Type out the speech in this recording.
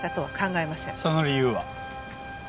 その理由は？